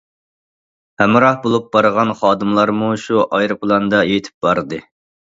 ھەمراھ بولۇپ بارغان خادىملارمۇ شۇ ئايروپىلاندا يېتىپ باردى.